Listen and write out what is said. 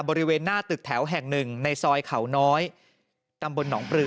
บริเวณหน้าตึกแถวแห่งหนึ่งในซอยเขาน้อยตำบลหนองปลือ